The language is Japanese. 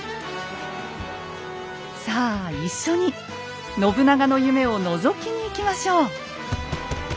さあ一緒に信長の夢をのぞきに行きましょう。